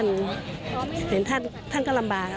เก่งแพทย์มาไมบูลกีทเขมดนะคะ